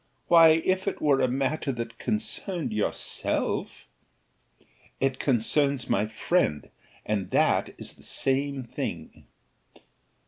why, if it were a matter that concerned yourself " "It concerns my friend, and that is the same thing."